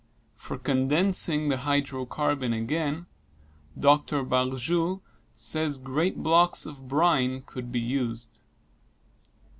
For condensing the hydrocarbon again, Dr. Barjou says great blocks of brine could be used.